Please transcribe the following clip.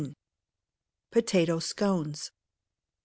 Potato Scones.